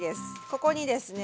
ここにですね